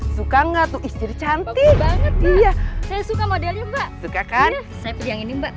suka nggak tuh istri cantik banget iya saya suka modelnya mbak suka kan saya pilih yang ini mbak